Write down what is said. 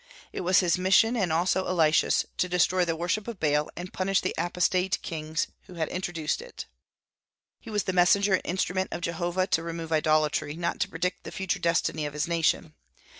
It was his mission, and also Elisha's, to destroy the worship of Baal and punish the apostate kings who had introduced it. He was the messenger and instrument of Jehovah to remove idolatry, not to predict the future destiny of his nation.